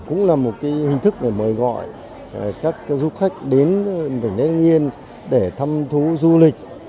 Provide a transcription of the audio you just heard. cũng là một hình thức để mời gọi các du khách đến bình yên để thăm thú du lịch